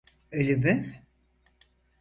Ölümü…